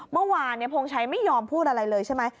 เมื่อวานพงชัยไม่ยอมพูดอะไรเลยใช่ไหม